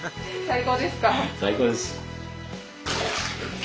最高ですか？